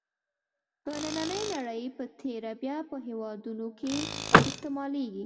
په نننۍ نړۍ په تېره بیا په هېوادونو کې استعمالېږي.